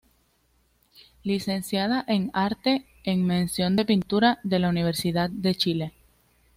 Licenciada en Arte, en mención de pintura de la Universidad de Chile.